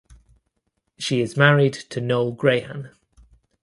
She is married to Noel Grehan.